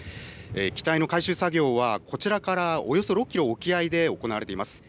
機体の回収作業はこちらからおよそ６キロ沖合で行われています。